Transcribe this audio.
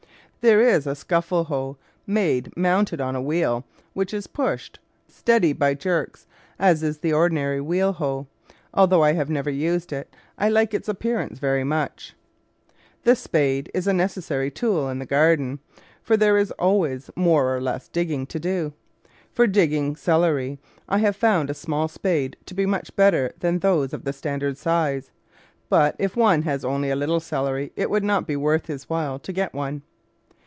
There is a scuffle hoe made mounted on a wheel which is pushed " steady by jerks," as is the ordi nary wheel hoe. Although I have never used it, I like its appearance very much. The spade is a necessary tool in the garden, for TOOLS WHICH MAKE GARDENING EASY there is always more or less digging to do. For digging celery, I have found a small spade to be much better than those of the standard size, but if one has only a little celery it would not be worth his while to get one.